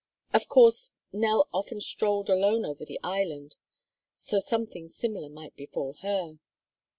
Of course, Nell often strolled alone over the island. So something similar might befall her.